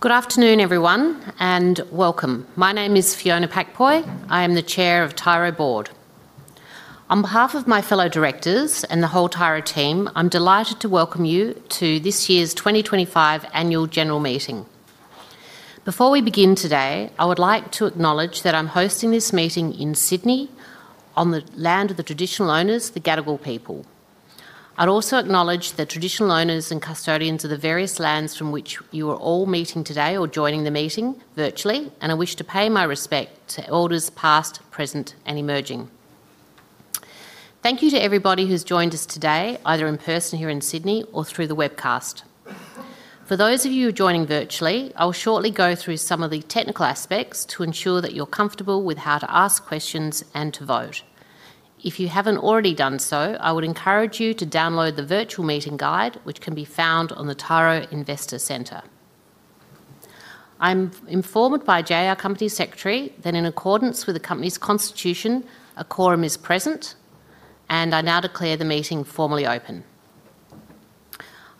Good afternoon, everyone, and welcome. My name is Fiona Pak-Poy. I am the Chair of Tyro Board. On behalf of my fellow directors and the whole Tyro team, I'm delighted to welcome you to this year's 2025 Annual General Meeting. Before we begin today, I would like to acknowledge that I'm hosting this meeting in Sydney on the land of the traditional owners, the Gadigal people. I'd also acknowledge the traditional owners and custodians of the various lands from which you are all meeting today or joining the meeting virtually, and I wish to pay my respect to elders past, present, and emerging. Thank you to everybody who's joined us today, either in person here in Sydney or through the webcast. For those of you joining virtually, I'll shortly go through some of the technical aspects to ensure that you're comfortable with how to ask questions and to vote. If you haven't already done so, I would encourage you to download the virtual meeting guide, which can be found on the Tyro Investor Centre. I'm informed by Jairan Amigh, Company Secretary, that, in accordance with the company's constitution, a quorum is present, and I now declare the meeting formally open.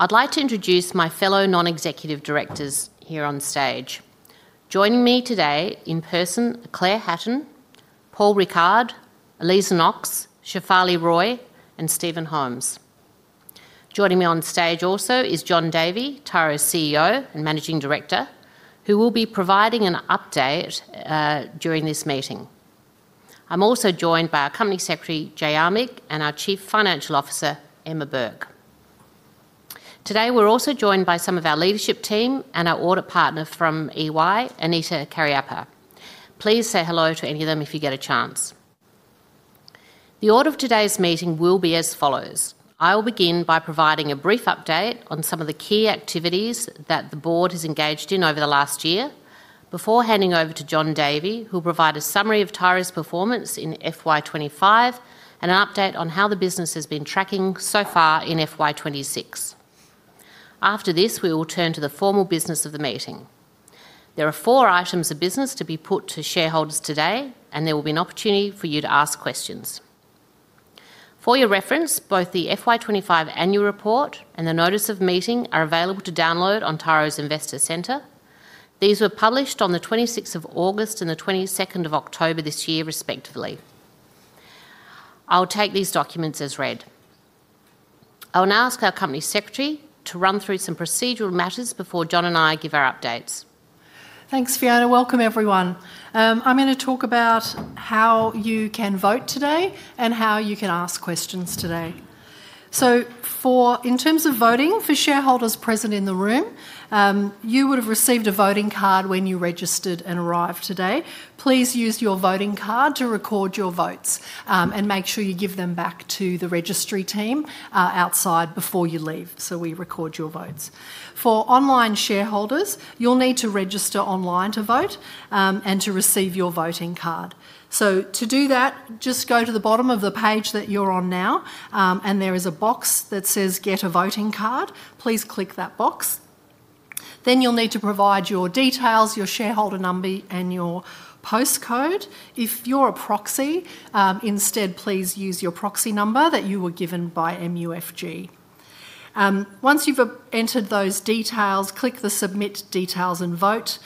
I'd like to introduce my fellow Non-Executive Directors here on stage. Joining me today in person are Claire Hatton, Paul Rickard, Aliza Knox, Shefali Roy, and Steven Holmes. Joining me on stage also is Jon Davey, Tyro's CEO and Managing Director, who will be providing an update during this meeting. I'm also joined by our Company Secretary, Jairan Amigh, and our Chief Financial Officer, Emma Burke. Today we're also joined by some of our leadership team and our audit partner from EY, Anita Kariappa. Please say hello to any of them if you get a chance. The order of today's meeting will be as follows. I'll begin by providing a brief update on some of the key activities that the board has engaged in over the last year before handing over to Jon Davey, who will provide a summary of Tyro's performance in FY 2025 and an update on how the business has been tracking so far in FY 2026. After this, we will turn to the formal business of the meeting. There are four items of business to be put to shareholders today, and there will be an opportunity for you to ask questions. For your reference, both the FY 2025 annual report and the notice of meeting are available to download on Tyro's Investor Centre. These were published on the 26th of August and the 22nd of October this year, respectively. I'll take these documents as read. I'll now ask our company secretary to run through some procedural matters before Jon and I give our updates. Thanks, Fiona. Welcome, everyone. I'm going to talk about how you can vote today and how you can ask questions today. In terms of voting for shareholders present in the room, you would have received a voting card when you registered and arrived today. Please use your voting card to record your votes and make sure you give them back to the registry team outside before you leave, so we record your votes. For online shareholders, you'll need to register online to vote and to receive your voting card. To do that, just go to the bottom of the page that you're on now, and there is a box that says "Get a Voting Card." Please click that box. You'll need to provide your details, your shareholder number, and your postcode. If you're a proxy, instead please use your proxy number that you were given by MUFG. Once you've entered those details, click the "Submit Details and Vote."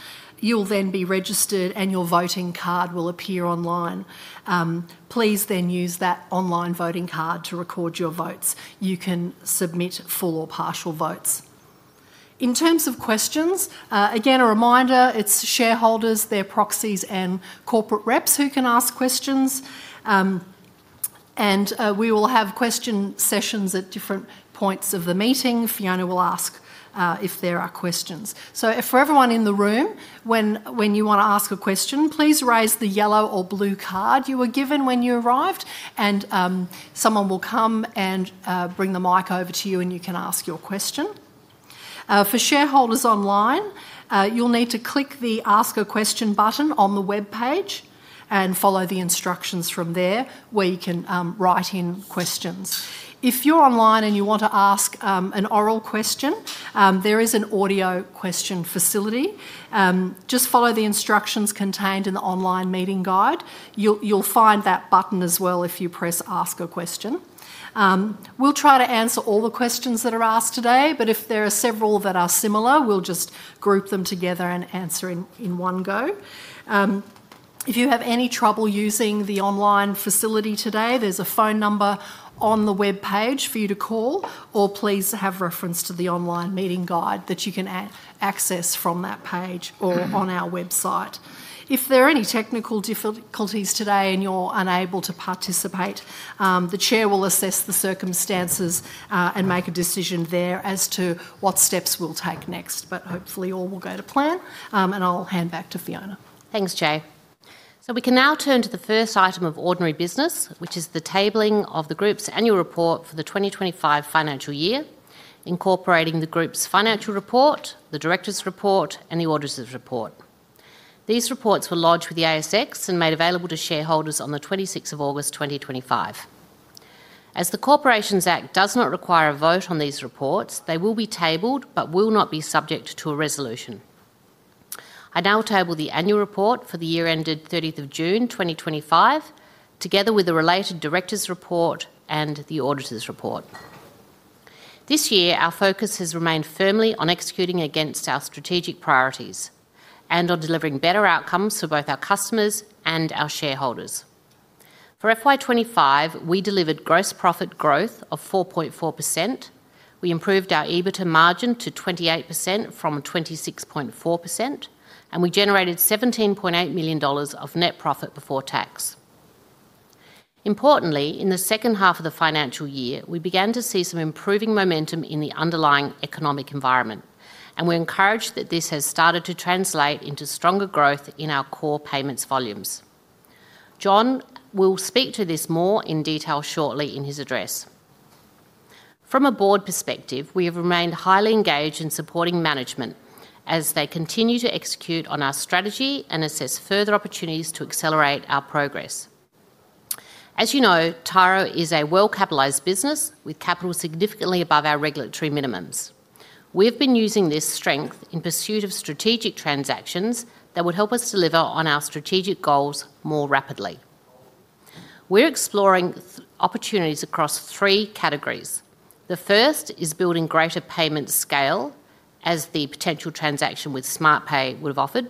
You'll then be registered, and your voting card will appear online. Please then use that online voting card to record your votes. You can submit full or partial votes. In terms of questions, again, a reminder, it's shareholders, their proxies, and corporate reps who can ask questions. We will have question sessions at different points of the meeting. Fiona will ask if there are questions. For everyone in the room, when you want to ask a question, please raise the yellow or blue card you were given when you arrived, and someone will come and bring the mic over to you, and you can ask your question. For shareholders online, you'll need to click the "Ask a Question" button on the web page and follow the instructions from there where you can write in questions. If you're online and you want to ask an oral question, there is an audio question facility. Just follow the instructions contained in the online meeting guide. You'll find that button as well if you press "Ask a Question." We'll try to answer all the questions that are asked today, but if there are several that are similar, we'll just group them together and answer in one go. If you have any trouble using the online facility today, there's a phone number on the web page for you to call, or please have reference to the online meeting guide that you can access from that page or on our website. If there are any technical difficulties today and you're unable to participate, the chair will assess the circumstances and make a decision there as to what steps we'll take next, but hopefully all will go to plan, and I'll hand back to Fiona. Thanks, Jay. We can now turn to the first item of ordinary business, which is the tabling of the group's annual report for the 2025 financial year, incorporating the group's financial report, the director's report, and the auditor's report. These reports were lodged with the ASX and made available to shareholders on the 26th of August, 2025. As the Corporations Act does not require a vote on these reports, they will be tabled but will not be subject to a resolution. I now table the annual report for the year ended 30th of June, 2025, together with the related director's report and the auditor's report. This year, our focus has remained firmly on executing against our strategic priorities and on delivering better outcomes for both our customers and our shareholders. For FY 2025, we delivered gross profit growth of 4.4%. We improved our EBITDA margin to 28% from 26.4%, and we generated 17.8 million dollars of net profit before tax. Importantly, in the second half of the financial year, we began to see some improving momentum in the underlying economic environment, and we're encouraged that this has started to translate into stronger growth in our core payments volumes. Jon will speak to this more in detail shortly in his address. From a board perspective, we have remained highly engaged in supporting management as they continue to execute on our strategy and assess further opportunities to accelerate our progress. As you know, Tyro is a well-capitalized business with capital significantly above our regulatory minimums. We've been using this strength in pursuit of strategic transactions that would help us deliver on our strategic goals more rapidly. We're exploring opportunities across three categories. The first is building greater payment scale, as the potential transaction with SmartPay would have offered.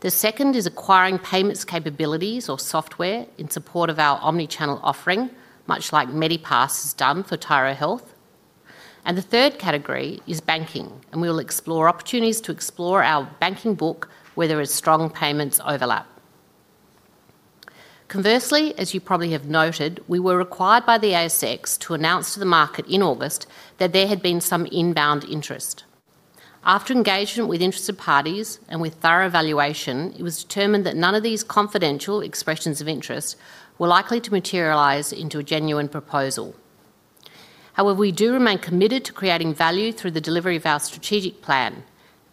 The second is acquiring payments capabilities or software in support of our omnichannel offering, much like Medipass has done for Tyro Health. The third category is banking, and we will explore opportunities to explore our banking book, where there is strong payments overlap. Conversely, as you probably have noted, we were required by the ASX to announce to the market in August that there had been some inbound interest. After engagement with interested parties and with thorough evaluation, it was determined that none of these confidential expressions of interest were likely to materialize into a genuine proposal. However, we do remain committed to creating value through the delivery of our strategic plan,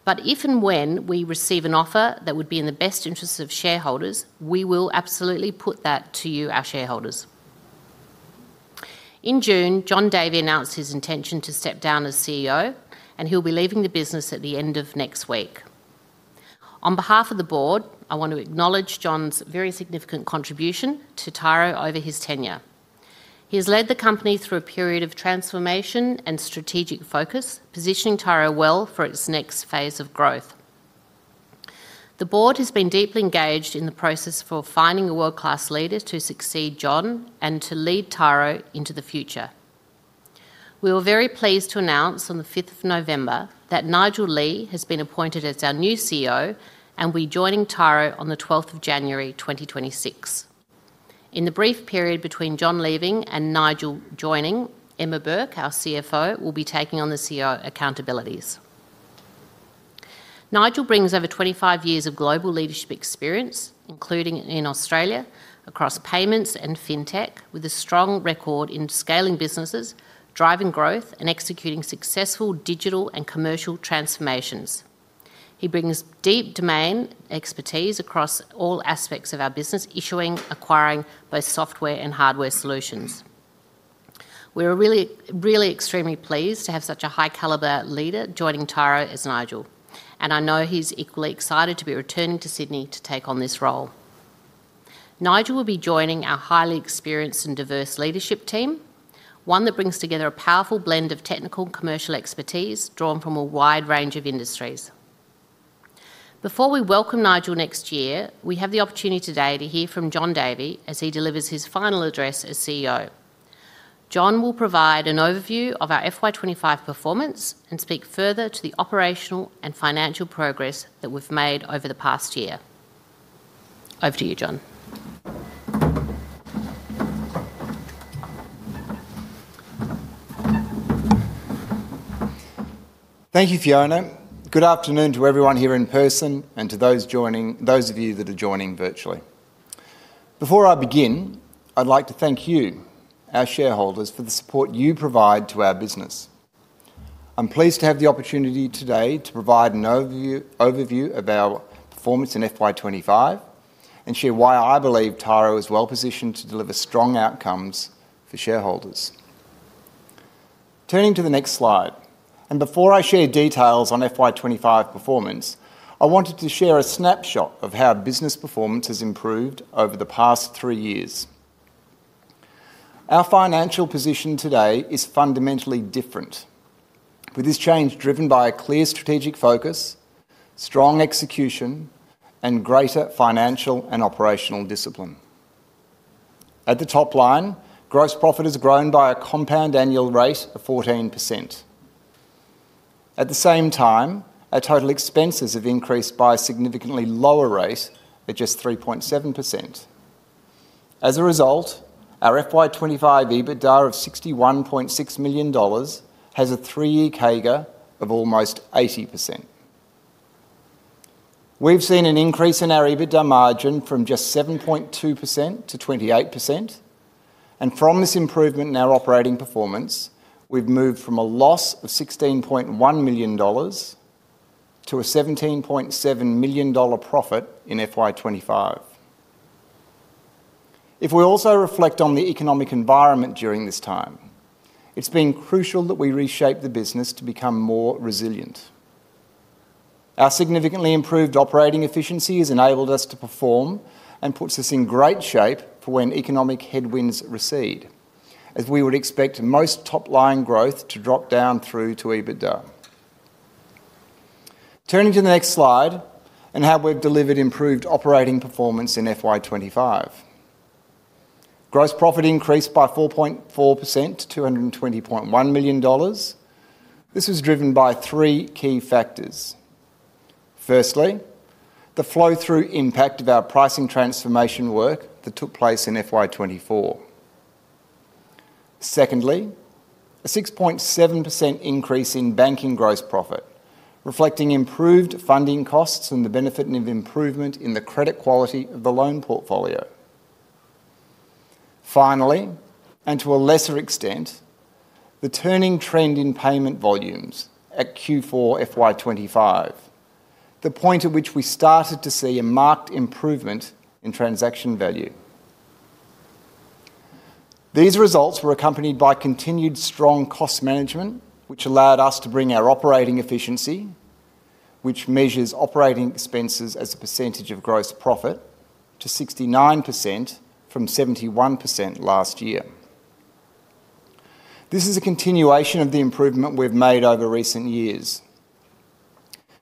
but if and when we receive an offer that would be in the best interests of shareholders, we will absolutely put that to you, our shareholders. In June, Jon Davey announced his intention to step down as CEO, and he'll be leaving the business at the end of next week. On behalf of the board, I want to acknowledge Jon's very significant contribution to Tyro over his tenure. He has led the company through a period of transformation and strategic focus, positioning Tyro well for its next phase of growth. The board has been deeply engaged in the process for finding a world-class leader to succeed Jon and to lead Tyro into the future. We are very pleased to announce on the 5th of November that Nigel Lee has been appointed as our new CEO, and we're joining Tyro on the 12th of January, 2026. In the brief period between Jon leaving and Nigel joining, Emma Burke, our CFO, will be taking on the CEO accountabilities. Nigel brings over 25 years of global leadership experience, including in Australia, across payments and fintech, with a strong record in scaling businesses, driving growth, and executing successful digital and commercial transformations. He brings deep domain expertise across all aspects of our business, issuing, acquiring both software and hardware solutions. We're really, really extremely pleased to have such a high-caliber leader joining Tyro as Nigel, and I know he's equally excited to be returning to Sydney to take on this role. Nigel will be joining our highly experienced and diverse leadership team, one that brings together a powerful blend of technical and commercial expertise drawn from a wide range of industries. Before we welcome Nigel next year, we have the opportunity today to hear from Jon Davey as he delivers his final address as CEO. Jon will provide an overview of our FY 2025 performance and speak further to the operational and financial progress that we have made over the past year. Over to you, Jon. Thank you, Fiona. Good afternoon to everyone here in person and to those joining, those of you that are joining virtually. Before I begin, I'd like to thank you, our shareholders, for the support you provide to our business. I'm pleased to have the opportunity today to provide an overview of our performance in FY 2025 and share why I believe Tyro is well positioned to deliver strong outcomes for shareholders. Turning to the next slide, and before I share details on FY 2025 performance, I wanted to share a snapshot of how business performance has improved over the past three years. Our financial position today is fundamentally different, with this change driven by a clear strategic focus, strong execution, and greater financial and operational discipline. At the top line, gross profit has grown by a compound annual rate of 14%. At the same time, our total expenses have increased by a significantly lower rate, at just 3.7%. As a result, our FY 2025 EBITDA of 61.6 million dollars has a three-year CAGR of almost 80%. We've seen an increase in our EBITDA margin from just 7.2% to 28%, and from this improvement in our operating performance, we've moved from a loss of 16.1 million dollars to a 17.7 million dollar profit in FY 2025. If we also reflect on the economic environment during this time, it's been crucial that we reshape the business to become more resilient. Our significantly improved operating efficiency has enabled us to perform and puts us in great shape for when economic headwinds recede, as we would expect most top-line growth to drop down through to EBITDA. Turning to the next slide and how we've delivered improved operating performance in FY 2025. Gross profit increased by 4.4% to 220.1 million dollars. This was driven by three key factors. Firstly, the flow-through impact of our pricing transformation work that took place in FY 2024. Secondly, a 6.7% increase in banking gross profit, reflecting improved funding costs and the benefit of improvement in the credit quality of the loan portfolio. Finally, and to a lesser extent, the turning trend in payment volumes at Q4 FY 2025, the point at which we started to see a marked improvement in transaction value. These results were accompanied by continued strong cost management, which allowed us to bring our operating efficiency, which measures operating expenses as a percentage of gross profit, to 69% from 71% last year. This is a continuation of the improvement we have made over recent years.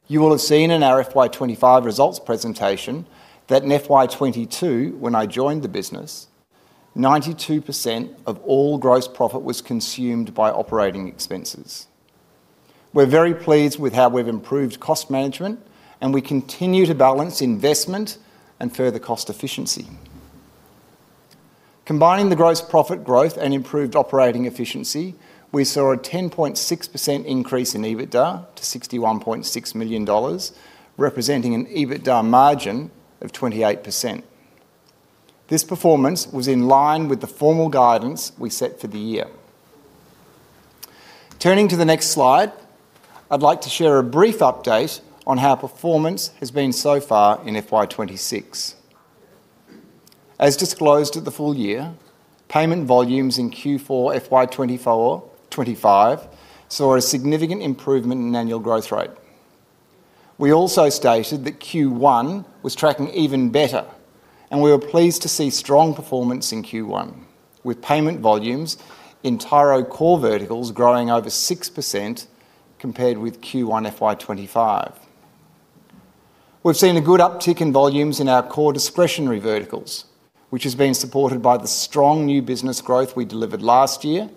You will have seen in our FY 2025 results presentation that in FY 2022, when I joined the business, 92% of all gross profit was consumed by operating expenses. We're very pleased with how we've improved cost management, and we continue to balance investment and further cost efficiency. Combining the gross profit growth and improved operating efficiency, we saw a 10.6% increase in EBITDA to 61.6 million dollars, representing an EBITDA margin of 28%. This performance was in line with the formal guidance we set for the year. Turning to the next slide, I'd like to share a brief update on how performance has been so far in FY 2026. As disclosed at the full year, payment volumes in Q4 FY 2025 saw a significant improvement in annual growth rate. We also stated that Q1 was tracking even better, and we were pleased to see strong performance in Q1, with payment volumes in Tyro core verticals growing over 6% compared with Q1 FY 2025. We've seen a good uptick in volumes in our core discretionary verticals, which has been supported by the strong new business growth we delivered last year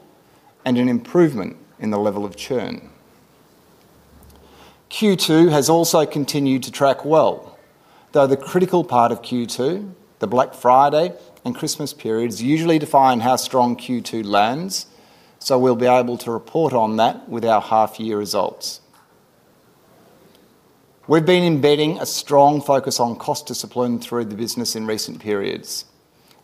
and an improvement in the level of churn. Q2 has also continued to track well, though the critical part of Q2, the Black Friday and Christmas periods, usually define how strong Q2 lands, so we'll be able to report on that with our half-year results. We've been embedding a strong focus on cost discipline through the business in recent periods,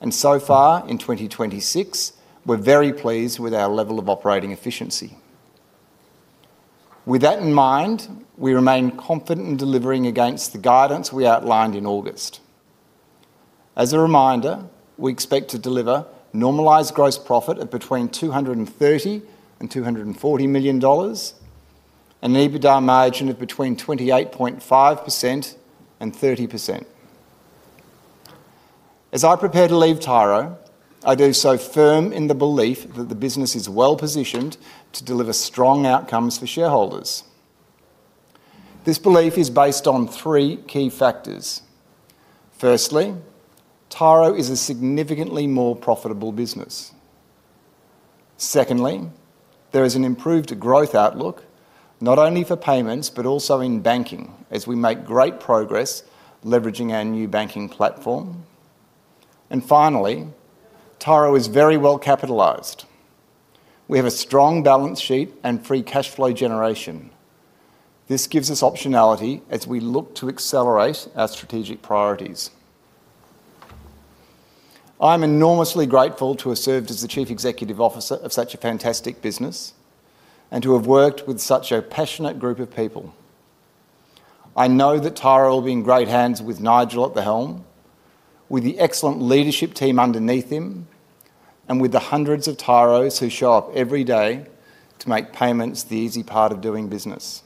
and so far in 2026, we're very pleased with our level of operating efficiency. With that in mind, we remain confident in delivering against the guidance we outlined in August. As a reminder, we expect to deliver normalised gross profit of between 230 million and 240 million dollars, an EBITDA margin of between 28.5% and 30%. As I prepare to leave Tyro, I do so firm in the belief that the business is well positioned to deliver strong outcomes for shareholders. This belief is based on three key factors. Firstly, Tyro is a significantly more profitable business. Secondly, there is an improved growth outlook, not only for payments but also in banking, as we make great progress leveraging our new banking platform. Finally, Tyro is very well capitalized. We have a strong balance sheet and free cash flow generation. This gives us optionality as we look to accelerate our strategic priorities. I'm enormously grateful to have served as the Chief Executive Officer of such a fantastic business and to have worked with such a passionate group of people. I know that Tyro will be in great hands with Nigel at the helm, with the excellent leadership team underneath him, and with the hundreds of Tyros who show up every day to make payments the easy part of doing business.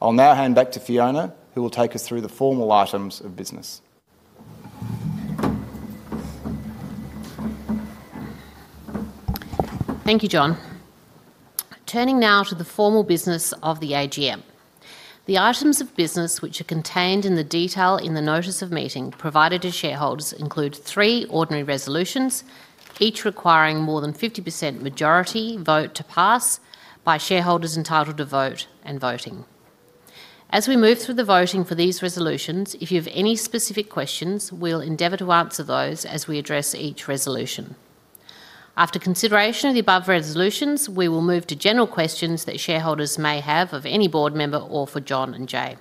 I'll now hand back to Fiona, who will take us through the formal items of business. Thank you, Jon. Turning now to the formal business of the AGM. The items of business which are contained in the detail in the notice of meeting provided to shareholders include three ordinary resolutions, each requiring more than 50% majority vote to pass by shareholders entitled to vote and voting. As we move through the voting for these resolutions, if you have any specific questions, we'll endeavour to answer those as we address each resolution. After consideration of the above resolutions, we will move to general questions that shareholders may have of any board member or for Jon and Jay.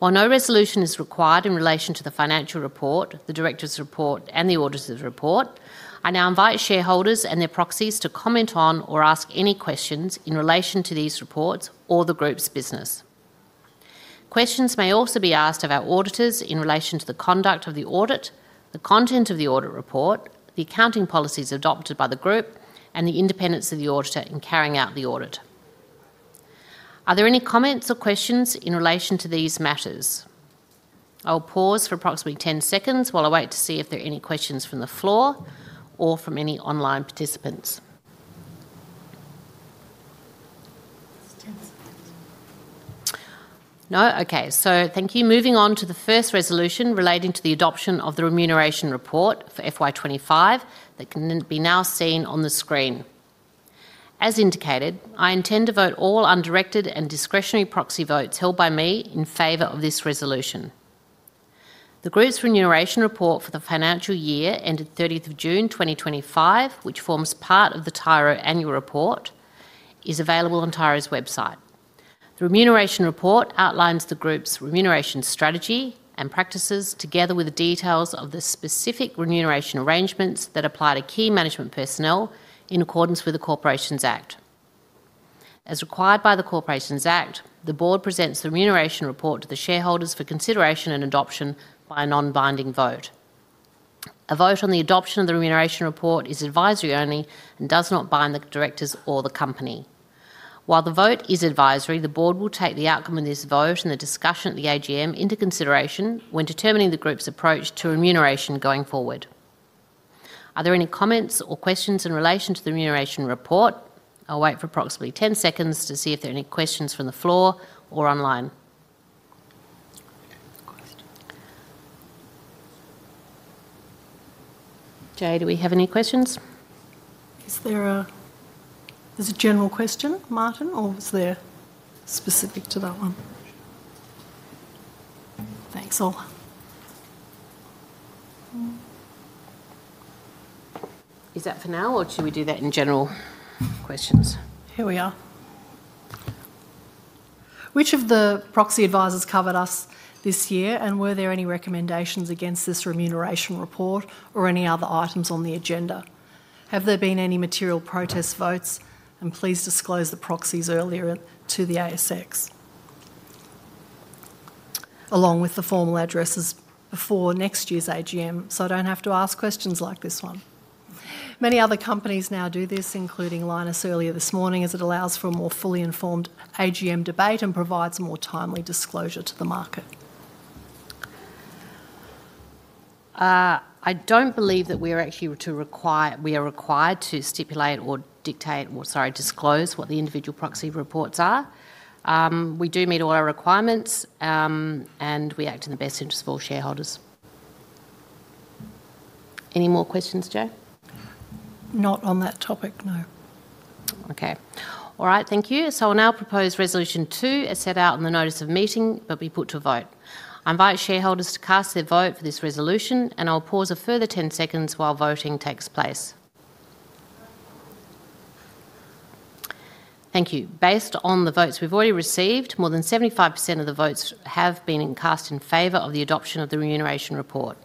While no resolution is required in relation to the financial report, the director's report, and the auditor's report, I now invite shareholders and their proxies to comment on or ask any questions in relation to these reports or the group's business. Questions may also be asked of our auditors in relation to the conduct of the audit, the content of the audit report, the accounting policies adopted by the group, and the independence of the auditor in carrying out the audit. Are there any comments or questions in relation to these matters? I'll pause for approximately 10 seconds while I wait to see if there are any questions from the floor or from any online participants. 10 seconds. No? Okay. Thank you. Moving on to the first resolution relating to the adoption of the remuneration report for FY 2025 that can be now seen on the screen. As indicated, I intend to vote all undirected and discretionary proxy votes held by me in favor of this resolution. The group's remuneration report for the financial year ended 30th of June 2025, which forms part of the Tyro annual report, is available on Tyro's website. The remuneration report outlines the group's remuneration strategy and practices together with the details of the specific remuneration arrangements that apply to key management personnel in accordance with the Corporations Act. As required by the Corporations Act, the board presents the remuneration report to the shareholders for consideration and adoption by a non-binding vote. A vote on the adoption of the remuneration report is advisory only and does not bind the directors or the company. While the vote is advisory, the board will take the outcome of this vote and the discussion at the AGM into consideration when determining the group's approach to remuneration going forward. Are there any comments or questions in relation to the remuneration report? I'll wait for approximately 10 seconds to see if there are any questions from the floor or online. Okay. Question. Jay, do we have any questions? Is there a general question, Martyn, or is there specific to that one? Thanks, all. Is that for now, or should we do that in general questions? Here we are. Which of the proxy advisors covered us this year, and were there any recommendations against this remuneration report or any other items on the agenda? Have there been any material protest votes? Please disclose the proxies earlier to the ASX, along with the formal addresses before next year's AGM, so I do not have to ask questions like this one. Many other companies now do this, including Linus earlier this morning, as it allows for a more fully informed AGM debate and provides a more timely disclosure to the market. I don't believe that we are actually required to stipulate or dictate or, sorry, disclose what the individual proxy reports are. We do meet all our requirements, and we act in the best interest of all shareholders. Any more questions, Jay? Not on that topic, no. Okay. All right. Thank you. I will now propose Resolution 2, as set out in the notice of meeting, be put to a vote. I invite shareholders to cast their vote for this resolution, and I will pause a further 10 seconds while voting takes place. Thank you. Based on the votes we have already received, more than 75% of the votes have been cast in favor of the adoption of the remuneration report.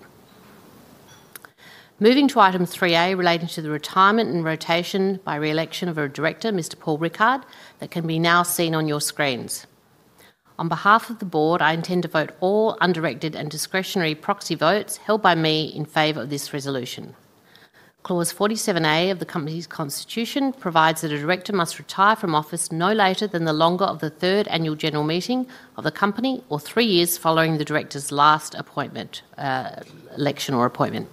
Moving to item 3A relating to the retirement and rotation by re-election of our director, Mr. Paul Rickard, that can now be seen on your screens. On behalf of the board, I intend to vote all undirected and discretionary proxy votes held by me in favor of this resolution. Clause 47(a) of the company's constitution provides that a director must retire from office no later than the longer of the third Annual General Meeting of the company or three years following the director's last appointment, election or appointment.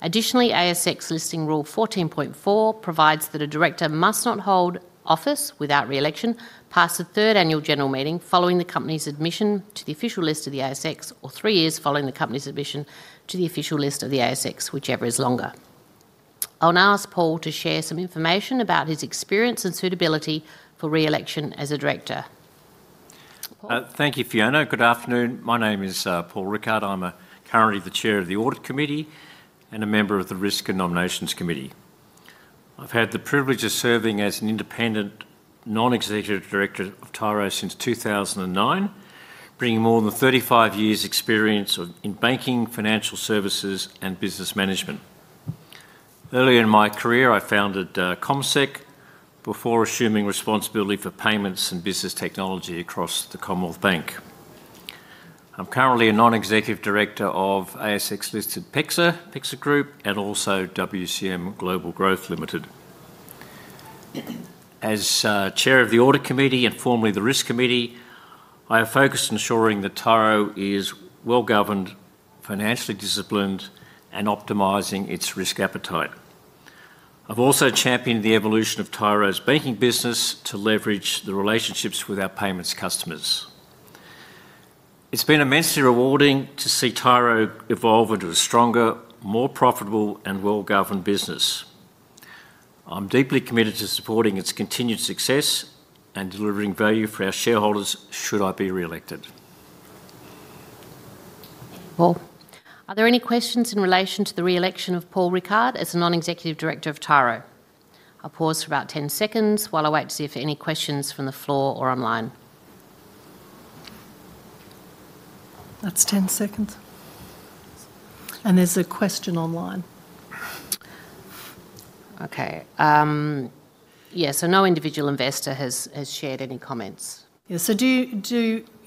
Additionally, ASX Listing Rule 14.4 provides that a director must not hold office without re-election past the third Annual General Meeting following the company's admission to the official list of the ASX or three years following the company's admission to the official list of the ASX, whichever is longer. I'll now ask Paul to share some information about his experience and suitability for re-election as a director. Thank you, Fiona. Good afternoon. My name is Paul Rickard. I'm currently the chair of the Audit Committee and a member of the Risk and Nominations Committee. I've had the privilege of serving as an Independent Non-Executive Director of Tyro since 2009, bringing more than 35 years' experience in banking, financial services, and business management. Earlier in my career, I founded CommSec before assuming responsibility for payments and business technology across the Commonwealth Bank. I'm currently a Non-Executive Director of ASX-listed PEXA, PEXA Group, and also WCM Global Growth Limited. As chair of the Audit Committee and formerly the Risk Committee, I have focused on ensuring that Tyro is well-governed, financially disciplined, and optimising its risk appetite. I've also championed the evolution of Tyro's banking business to leverage the relationships with our payments customers. It's been immensely rewarding to see Tyro evolve into a stronger, more profitable, and well-governed business. I'm deeply committed to supporting its continued success and delivering value for our shareholders should I be re-elected. Are there any questions in relation to the re-election of Paul Rickard as a Non-Executive Director of Tyro? I'll pause for about 10 seconds while I wait to see if there are any questions from the floor or online. That's 10 seconds. There is a question online. Okay. Yeah. No individual investor has shared any comments. Yeah.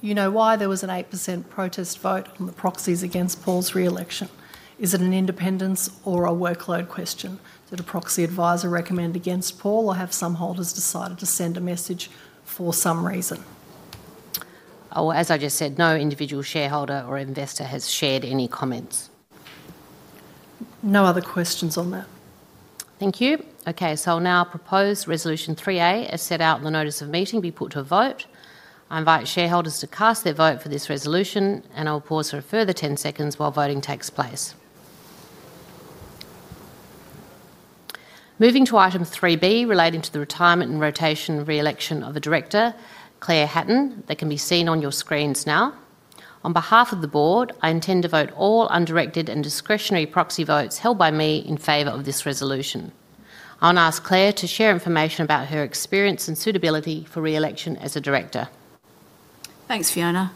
Do you know why there was an 8% protest vote on the proxies against Paul's re-election? Is it an independence or a workload question that a proxy advisor recommended against Paul, or have some holders decided to send a message for some reason? Oh, as I just said, no individual shareholder or investor has shared any comments. No other questions on that. Thank you. Okay. I'll now propose Resolution 3A, as set out in the notice of meeting, be put to a vote. I invite shareholders to cast their vote for this resolution, and I'll pause for a further 10 seconds while voting takes place. Moving to item 3B relating to the retirement and rotation re-election of a director, Claire Hatton, that can be seen on your screens now. On behalf of the board, I intend to vote all undirected and discretionary proxy votes held by me in favor of this resolution. I'll now ask Claire to share information about her experience and suitability for re-election as a director. Thanks, Fiona.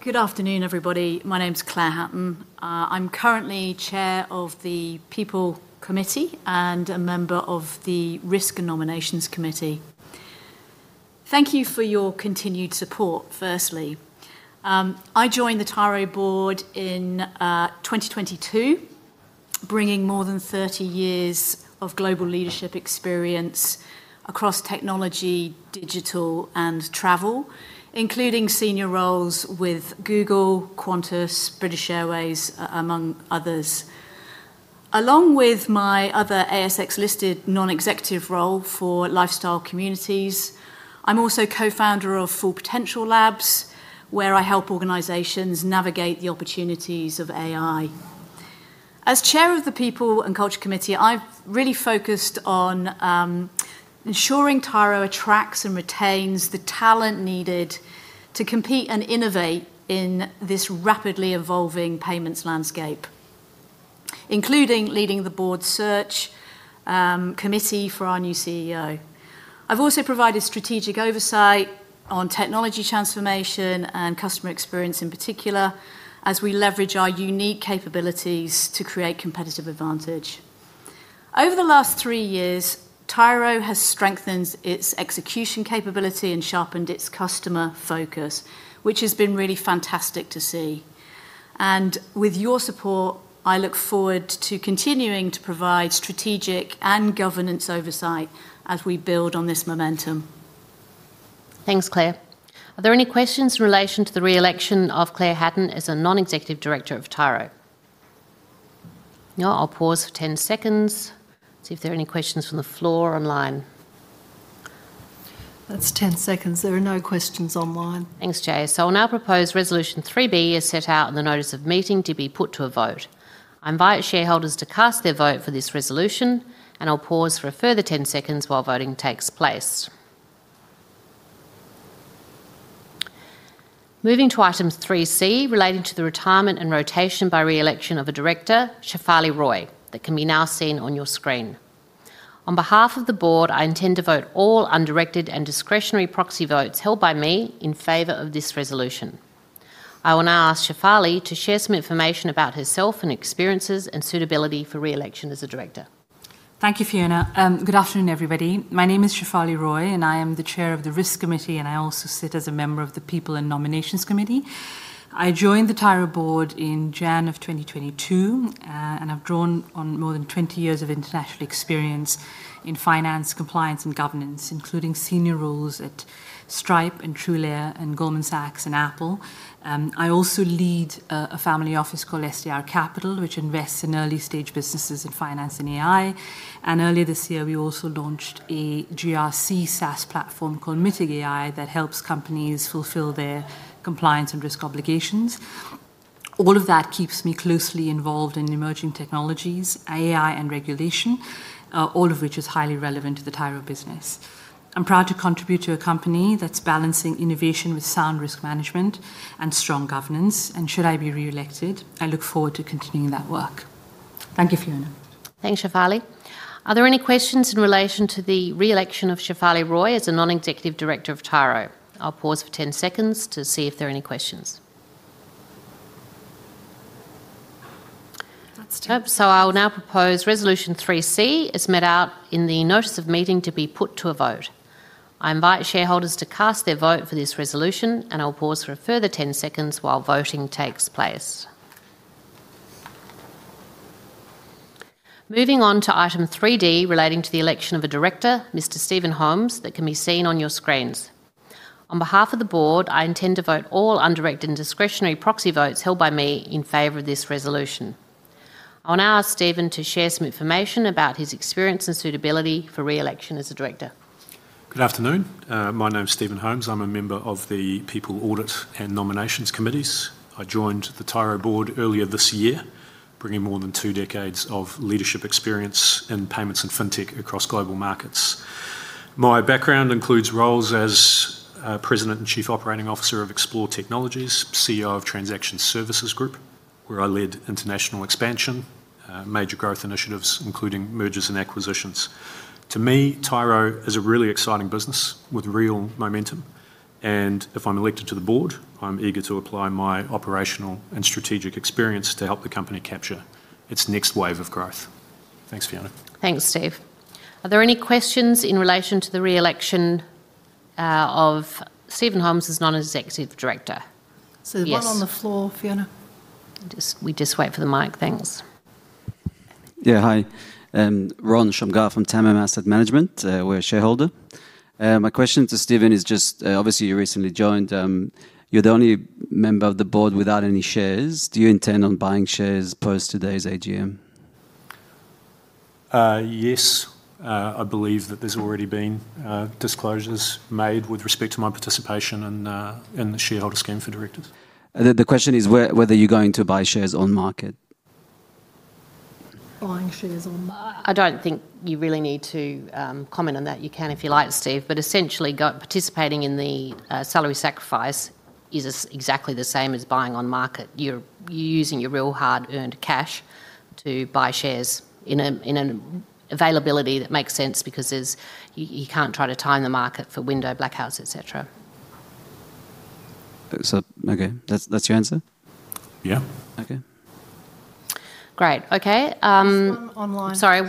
Good afternoon, everybody. My name's Claire Hatton. I'm currently chair of the People Committee and a member of the Risk and Nominations Committee. Thank you for your continued support, firstly. I joined the Tyro board in 2022, bringing more than 30 years of global leadership experience across technology, digital, and travel, including senior roles with Google, Qantas, British Airways, among others. Along with my other ASX-listed non-executive role for Lifestyle Communities, I'm also co-founder of Full Potential Labs, where I help organizations navigate the opportunities of AI. As chair of the People and Culture Committee, I've really focused on ensuring Tyro attracts and retains the talent needed to compete and innovate in this rapidly evolving payments landscape, including leading the board search committee for our new CEO. I've also provided strategic oversight on technology transformation and customer experience in particular, as we leverage our unique capabilities to create competitive advantage. Over the last three years, Tyro has strengthened its execution capability and sharpened its customer focus, which has been really fantastic to see. With your support, I look forward to continuing to provide strategic and governance oversight as we build on this momentum. Thanks, Claire. Are there any questions in relation to the re-election of Claire Hatton as a Non-Executive Director of Tyro? No. I'll pause for 10 seconds. See if there are any questions from the floor or online. That's 10 seconds. There are no questions online. Thanks, Jay. I'll now propose Resolution 3B, as set out in the notice of meeting, to be put to a vote. I invite shareholders to cast their vote for this resolution, and I'll pause for a further 10 seconds while voting takes place. Moving to item 3C relating to the retirement and rotation by re-election of a director, Shefali Roy, that can be now seen on your screen. On behalf of the board, I intend to vote all undirected and discretionary proxy votes held by me in favor of this resolution. I will now ask Shefali to share some information about herself and experiences and suitability for re-election as a director. Thank you, Fiona. Good afternoon, everybody. My name is Shefali Roy, and I am the chair of the Risk Committee, and I also sit as a member of the People and Nominations Committee. I joined the Tyro board in January of 2022, and I've drawn on more than 20 years of international experience in finance, compliance, and governance, including senior roles at Stripe and TrueLayer and Goldman Sachs and Apple. I also lead a family office called SDR. Capital, which invests in early-stage businesses in finance and AI. Earlier this year, we also launched a GRC SaaS platform called Mitig.aI that helps companies fulfil their compliance and risk obligations. All of that keeps me closely involved in emerging technologies, AI, and regulation, all of which is highly relevant to the Tyro business. I'm proud to contribute to a company that's balancing innovation with sound risk management and strong governance. Should I be re-elected, I look forward to continuing that work. Thank you, Fiona. Thanks, Shefali. Are there any questions in relation to the re-election of Shefali Roy as a Non-Executive Director of Tyro? I'll pause for 10 seconds to see if there are any questions. That's 10. I'll now propose Resolution 3C, as met out in the notice of meeting, to be put to a vote. I invite shareholders to cast their vote for this resolution, and I'll pause for a further 10 seconds while voting takes place. Moving on to item 3D relating to the election of a director, Mr. Steven Holmes, that can be seen on your screens. On behalf of the board, I intend to vote all undirected and discretionary proxy votes held by me in favor of this resolution. I'll now ask Steven to share some information about his experience and suitability for re-election as a director. Good afternoon. My name's Steven Holmes. I'm a member of the People, Audit, and Nominations Committees. I joined the Tyro board earlier this year, bringing more than two decades of leadership experience in payments and fintech across global markets. My background includes roles as president and Chief Operating Officer of Xplor Technologies, CEO of Transaction Services Group, where I led international expansion, major growth initiatives, including mergers and acquisitions. To me, Tyro is a really exciting business with real momentum. If I'm elected to the board, I'm eager to apply my operational and strategic experience to help the company capture its next wave of growth. Thanks, Fiona. Thanks, Steve. Are there any questions in relation to the re-election of Steven Holmes as Non-Executive Director? The one on the floor, Fiona? We just wait for the mic. Thanks. Yeah. Hi. Ron Shamgar from TAMIM Asset Management. We're a shareholder. My question to Steven is just, obviously, you recently joined. You're the only member of the board without any shares. Do you intend on buying shares post today's AGM? Yes. I believe that there's already been disclosures made with respect to my participation in the shareholder scheme for directors. The question is whether you're going to buy shares on market. Buying shares on market. I don't think you really need to comment on that. You can if you like, Steve. Essentially, participating in the salary sacrifice is exactly the same as buying on market. You're using your real hard-earned cash to buy shares in an availability that makes sense because you can't try to time the market for Window, Blackhouse, etc. Okay. That's your answer? Yeah. Okay. Great. Okay. There's one online. Sorry.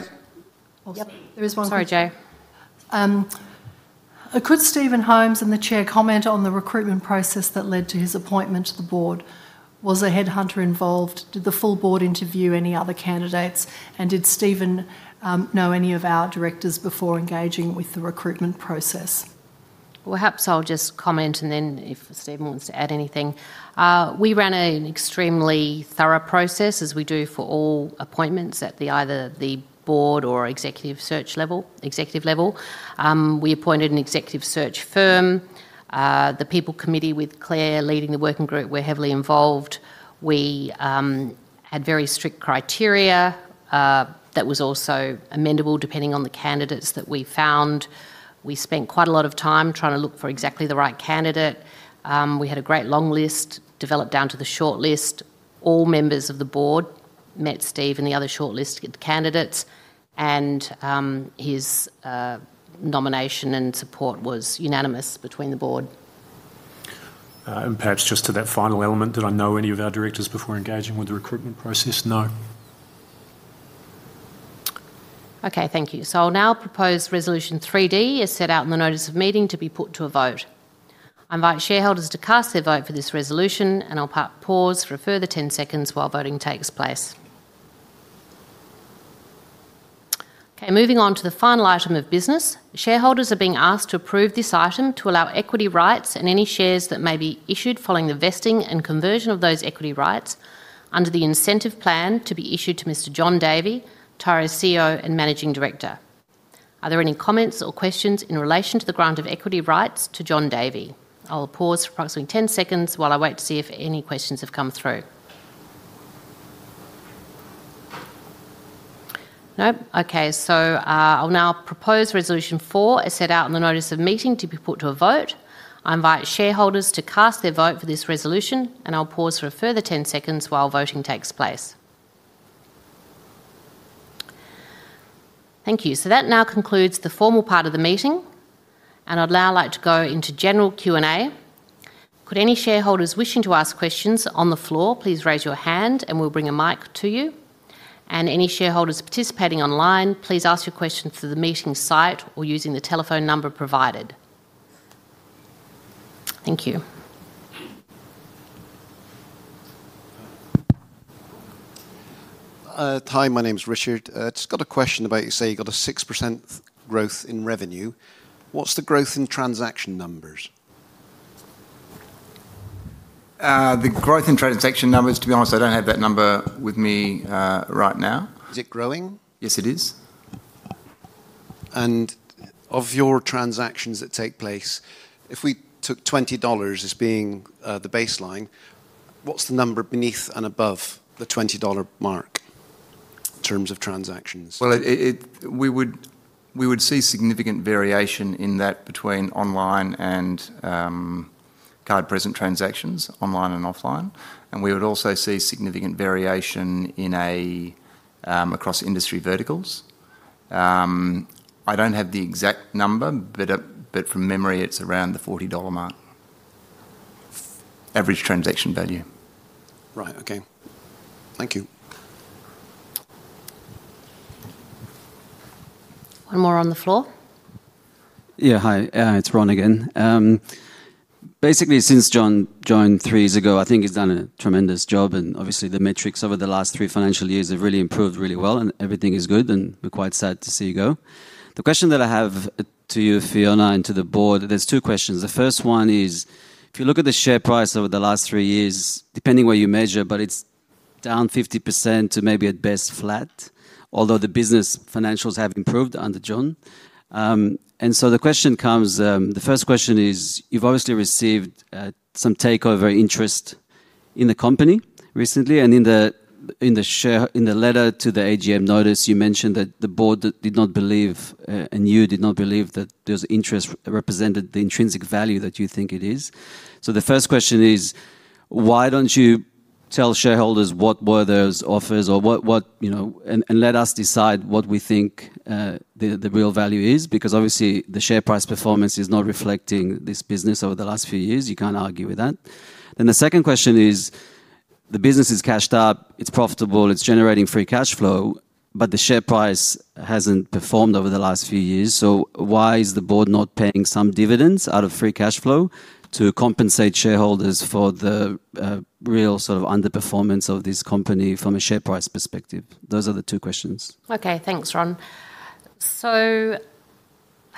Yep. There is one online. Sorry, Jay. Could Steven Holmes and the chair comment on the recruitment process that led to his appointment to the board? Was a headhunter involved? Did the full board interview any other candidates? Did Steven know any of our directors before engaging with the recruitment process? Perhaps I'll just comment, and then if Steven wants to add anything. We ran an extremely thorough process, as we do for all appointments at either the board or executive search level. We appointed an executive search firm. The People Committee, with Claire leading the working group, were heavily involved. We had very strict criteria that was also amendable depending on the candidates that we found. We spent quite a lot of time trying to look for exactly the right candidate. We had a great long list developed down to the short list. All members of the board met Steven and the other shortlisted candidates, and his nomination and support was unanimous between the board. Perhaps just to that final element, did I know any of our directors before engaging with the recruitment process? No. Okay. Thank you. I will now propose Resolution 3D, as set out in the notice of meeting, to be put to a vote. I invite shareholders to cast their vote for this resolution, and I will pause for a further 10 seconds while voting takes place. Okay. Moving on to the final item of business, shareholders are being asked to approve this item to allow equity rights and any shares that may be issued following the vesting and conversion of those equity rights under the incentive plan to be issued to Mr. Jon Davey, Tyro's CEO and Managing Director. Are there any comments or questions in relation to the grant of equity rights to Jon Davey? I will pause for approximately 10 seconds while I wait to see if any questions have come through. Nope. Okay. I'll now propose Resolution 4, as set out in the notice of meeting, to be put to a vote. I invite shareholders to cast their vote for this resolution, and I'll pause for a further 10 seconds while voting takes place. Thank you. That now concludes the formal part of the meeting, and I'd now like to go into general Q&A. Could any shareholders wishing to ask questions on the floor please raise your hand, and we'll bring a mic to you. Any shareholders participating online, please ask your question through the meeting site or using the telephone number provided. Thank you. Hi. My name's Richard. I just got a question about, you say you've got a 6% growth in revenue. What's the growth in transaction numbers? The growth in transaction numbers, to be honest, I don't have that number with me right now. Is it growing? Yes, it is. Of your transactions that take place, if we took 20 dollars as being the baseline, what's the number beneath and above the 20 dollar mark in terms of transactions? We would see significant variation in that between online and card-present transactions, online and offline. We would also see significant variation across industry verticals. I do not have the exact number, but from memory, it is around the 40 dollar mark, average transaction value. Right. Okay. Thank you. One more on the floor. Yeah. Hi. It's Ron again. Basically, since Jon joined three years ago, I think he's done a tremendous job. Obviously, the metrics over the last three financial years have really improved really well, and everything is good. We're quite sad to see you go. The question that I have to you, Fiona, and to the board, there's two questions. The first one is, if you look at the share price over the last three years, depending where you measure, but it's down 50% to maybe at best flat, although the business financials have improved under Jon. The question comes, the first question is, you've obviously received some takeover interest in the company recently. In the letter to the AGM notice, you mentioned that the board did not believe and you did not believe that those interests represented the intrinsic value that you think it is. The first question is, why don't you tell shareholders what were those offers or what and let us decide what we think the real value is? Because obviously, the share price performance is not reflecting this business over the last few years. You can't argue with that. The second question is, the business is cashed up. It's profitable. It's generating free cash flow. The share price hasn't performed over the last few years. Why is the board not paying some dividends out of free cash flow to compensate shareholders for the real sort of underperformance of this company from a share price perspective? Those are the two questions. Okay. Thanks, Ron. I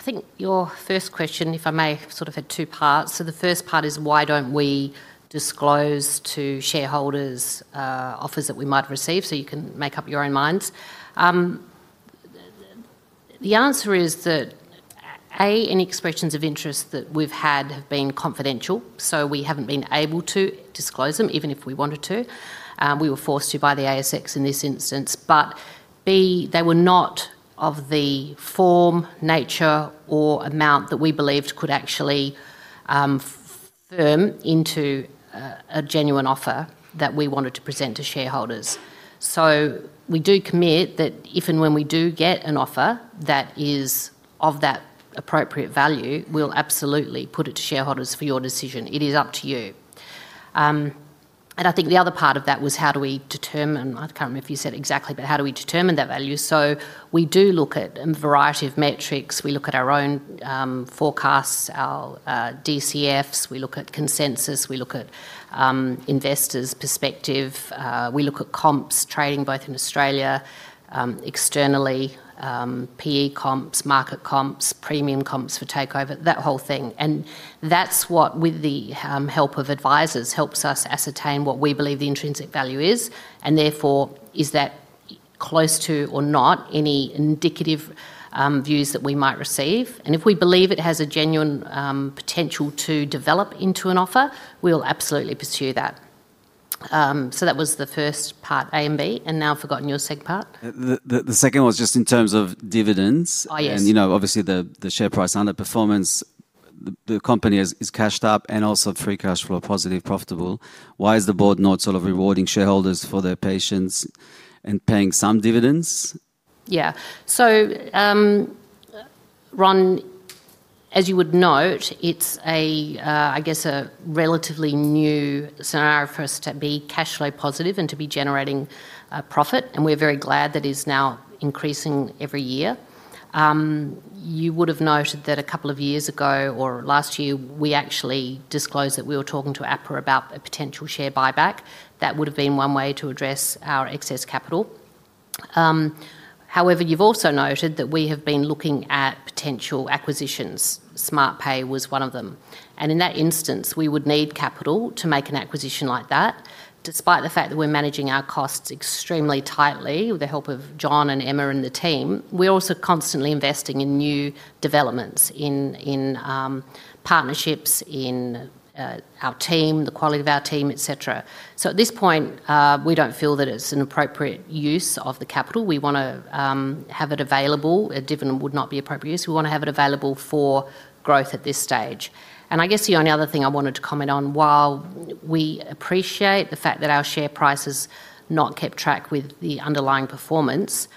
think your first question, if I may, sort of had two parts. The first part is, why do not we disclose to shareholders offers that we might receive so you can make up your own minds? The answer is that, A, any expressions of interest that we have had have been confidential, so we have not been able to disclose them even if we wanted to. We were forced to by the ASX in this instance. B, they were not of the form, nature, or amount that we believed could actually firm into a genuine offer that we wanted to present to shareholders. We do commit that if and when we do get an offer that is of that appropriate value, we will absolutely put it to shareholders for your decision. It is up to you. I think the other part of that was, how do we determine, I cannot remember if you said exactly, but how do we determine that value? We do look at a variety of metrics. We look at our own forecasts, our DCFs. We look at consensus. We look at investors' perspective. We look at comps trading both in Australia, externally, PE comps, market comps, premium comps for takeover, that whole thing. That is what, with the help of advisors, helps us ascertain what we believe the intrinsic value is. Therefore, is that close to or not any indicative views that we might receive? If we believe it has a genuine potential to develop into an offer, we will absolutely pursue that. That was the first part, A and B. I have forgotten your second part. The second one was just in terms of dividends. Oh, yes. Obviously, the share price underperformance, the company is cashed up and also free cash flow positive, profitable. Why is the board not sort of rewarding shareholders for their patience and paying some dividends? Yeah. Ron, as you would note, it's a, I guess, a relatively new scenario for us to be cash flow positive and to be generating profit. We're very glad that it's now increasing every year. You would have noted that a couple of years ago or last year, we actually disclosed that we were talking to APRA about a potential share buyback. That would have been one way to address our excess capital. However, you've also noted that we have been looking at potential acquisitions. SmartPay was one of them. In that instance, we would need capital to make an acquisition like that. Despite the fact that we're managing our costs extremely tightly with the help of Jon and Emma and the team, we're also constantly investing in new developments, in partnerships, in our team, the quality of our team, etc. At this point, we do not feel that it is an appropriate use of the capital. We want to have it available. A dividend would not be appropriate use. We want to have it available for growth at this stage. I guess the only other thing I wanted to comment on, while we appreciate the fact that our share price has not kept track with the underlying performance,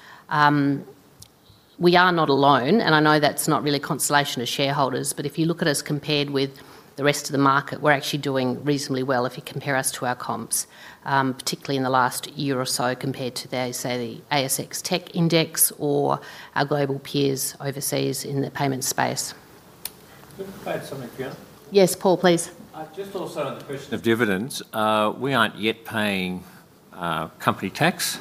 we are not alone. I know that is not really a consolation to shareholders. If you look at us compared with the rest of the market, we are actually doing reasonably well if you compare us to our comps, particularly in the last year or so compared to, say, the ASX tech index or our global peers overseas in the payment space. Can you add something, Fiona? Yes, Paul, please. Just also on the question of dividends, we are not yet paying company tax.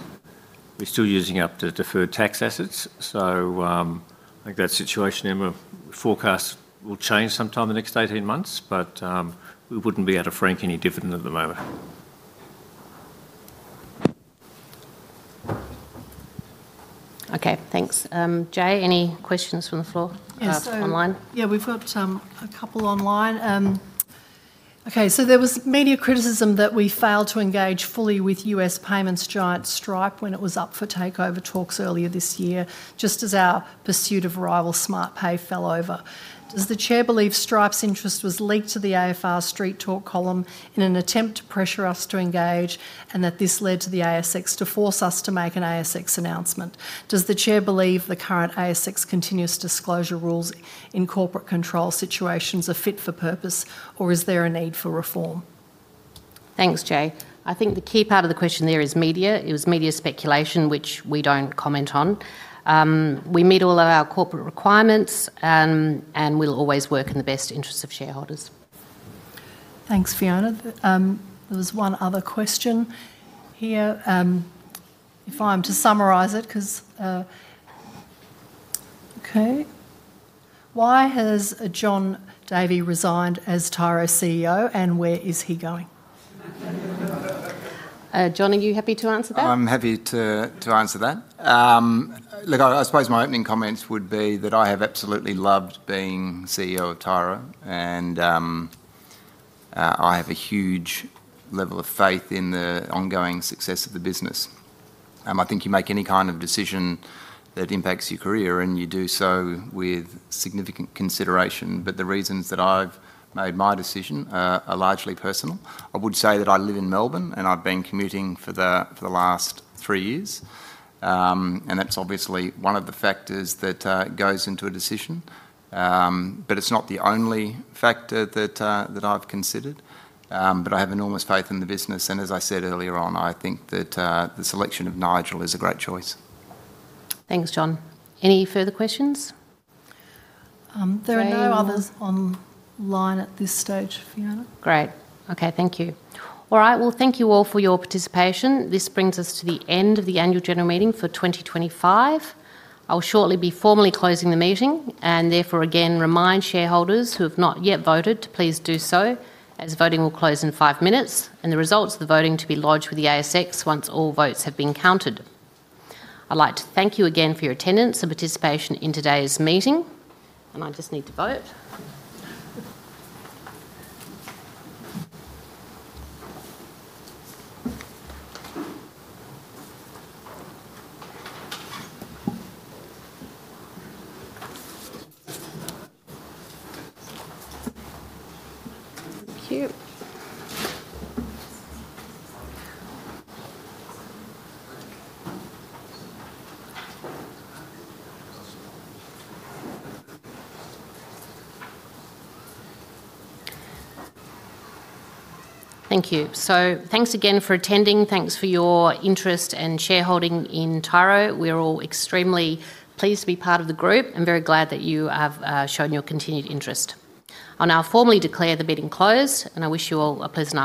We are still using up the deferred tax assets. I think that situation, Emma, forecasts will change sometime in the next 18 months, but we would not be able to frank any dividend at the moment. Okay. Thanks. Jay, any questions from the floor online? Yeah. We've got a couple online. Okay. There was media criticism that we failed to engage fully with U.S. payments giant Stripe when it was up for takeover talks earlier this year, just as our pursuit of rival SmartPay fell over. Does the chair believe Stripe's interest was leaked to the AFR Street Talk column in an attempt to pressure us to engage and that this led to the ASX to force us to make an ASX announcement? Does the chair believe the current ASX continuous disclosure rules in corporate control situations are fit for purpose, or is there a need for reform? Thanks, Jay. I think the key part of the question there is media. It was media speculation, which we do not comment on. We meet all of our corporate requirements, and we will always work in the best interest of shareholders. Thanks, Fiona. There was one other question here. If I'm to summarise it, because okay. Why has Jon Davey resigned as Tyro's CEO, and where is he going? Jon, are you happy to answer that? I'm happy to answer that. Look, I suppose my opening comments would be that I have absolutely loved being CEO of Tyro, and I have a huge level of faith in the ongoing success of the business. I think you make any kind of decision that impacts your career, and you do so with significant consideration. The reasons that I've made my decision are largely personal. I would say that I live in Melbourne, and I've been commuting for the last three years. That's obviously one of the factors that goes into a decision. It's not the only factor that I've considered. I have enormous faith in the business. As I said earlier on, I think that the selection of Nigel is a great choice. Thanks, Jon. Any further questions? There are no others online at this stage, Fiona. Great. Okay. Thank you. All right. Thank you all for your participation. This brings us to the end of the Annual General Meeting for 2025. I'll shortly be formally closing the meeting and therefore again remind shareholders who have not yet voted to please do so, as voting will close in five minutes and the results of the voting will be lodged with the ASX once all votes have been counted. I'd like to thank you again for your attendance and participation in today's meeting. I just need to vote. Thank you. Thank you. Thanks again for attending. Thanks for your interest and shareholding in Tyro. We are all extremely pleased to be part of the group and very glad that you have shown your continued interest. I'll now formally declare the meeting closed, and I wish you all a pleasant.